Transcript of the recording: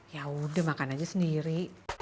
yaudah makan aja sendiri